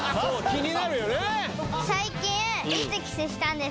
気になるよね。